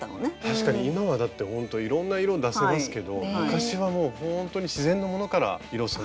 確かに今はだってほんといろんな色出せますけど昔はもうほんとに自然のものから色染めたりとか。